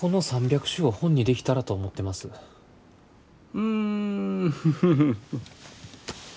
うんフフフフ。